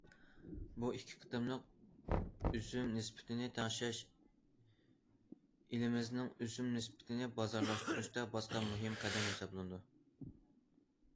بۇ ئىككى قېتىملىق ئۆسۈم نىسبىتىنى تەڭشەش ئېلىمىزنىڭ ئۆسۈم نىسبىتىنى بازارلاشتۇرۇشتا باسقان مۇھىم قەدەم ھېسابلىنىدۇ.